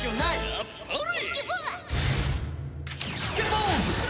あっぱれ！